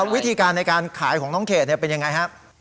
วิธีการในการขายของน้องเขตเป็นยังไงครับ